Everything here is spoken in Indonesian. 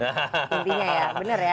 intinya ya bener ya